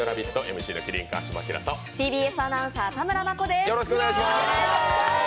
ＭＣの麒麟・川島明とＴＢＳアナウンサーの田村真子です。